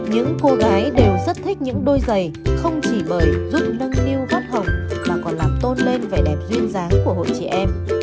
những cô gái đều rất thích những đôi giày không chỉ bởi giúp nâng niu phát hồng mà còn làm tôn lên vẻ đẹp duyên dáng của hội chị em